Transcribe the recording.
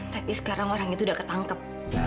tapi sekarang orang itu udah ketangkep